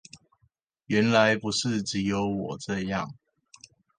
原來不是只有我這樣